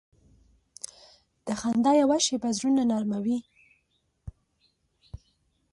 د خندا یوه شیبه زړونه نرمه وي.